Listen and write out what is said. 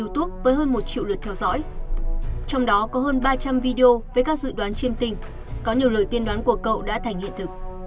trong đó có hơn ba trăm linh video với các dự đoán chiêm tình có nhiều lời tiên đoán của cậu đã thành hiện thực